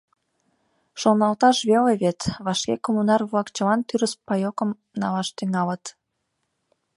Шоналташ веле вет: вашке коммунар-влак чылан тӱрыс паекым налаш тӱҥалыт.